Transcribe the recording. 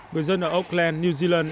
người dân ở auckland new zealand